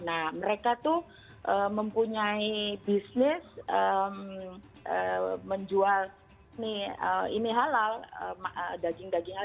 nah mereka tuh mempunyai bisnis menjual ini halal daging daging halal